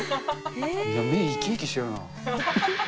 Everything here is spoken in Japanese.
目が生き生きしてるな。